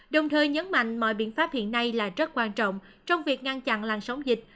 đồng thời nhấn mạnh mọi biện pháp hiện nay là rất quan trọng trong việc ngăn chặn lan sóng dịch